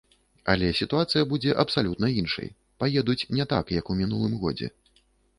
Але сітуацыя будзе абсалютна іншай, паедуць не так, як у мінулым годзе.